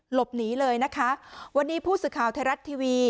หลบหนีเลยนะคะวันนี้ผู้สื่อข่าวไทยรัฐทีวี